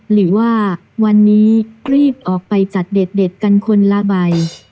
หรือว่าวันนี้รีบออกไปจัดเด็ดกันคนละใบ